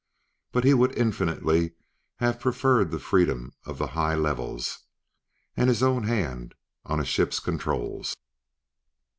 But he would infinitely have preferred the freedom of the high levels, and his own hand on a ship's controls.